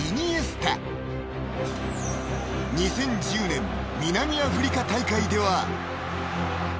［２０１０年南アフリカ大会では］